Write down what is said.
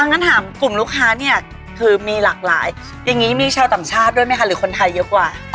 งั้นถามกลุ่มลูกค้าเนี่ยคือมีหลากหลายอย่างนี้มีชาวต่างชาติด้วยไหมคะหรือคนไทยเยอะกว่า